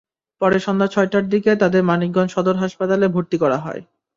পরে সন্ধ্যা ছয়টার দিকে তাদের মানিকগঞ্জ সদর হাসপাতালে ভর্তি করা হয়।